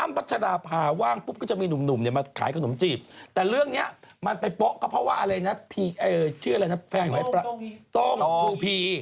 ไม่ได้แค่ว่าแบบกล้าได้ยังไงยันยืนอยู่สังคมไม่ได้ยังไง